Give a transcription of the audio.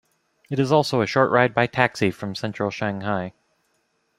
It is also a short ride by taxi from central Shanghai.